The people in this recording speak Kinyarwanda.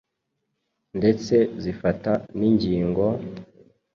ndetse zifata n’ingingo,